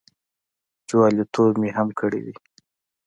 جوالیتوب مې هم کړی دی.